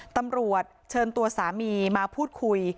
ตำรวจเชิญตัวสามีมาพูดคุย